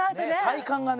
体幹がね。